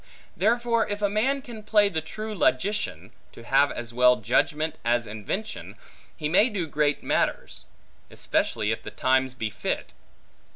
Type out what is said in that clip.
Therefore if a man can play the true logician, to have as well judgment, as invention, he may do great matters; especially if the times be fit.